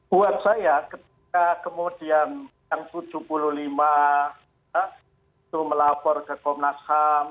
buat saya ketika kemudian yang tujuh puluh lima itu melapor ke komnas ham